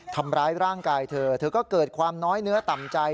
ทำร้ายร่างกายเธอเธอก็เกิดความน้อยเนื้อต่ำใจ